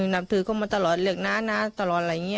นับถือเขามาเลือกน่าตลอด